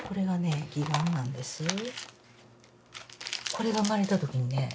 これが生まれた時にね